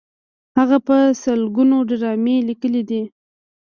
هغه په لسګونو ډرامې لیکلي دي.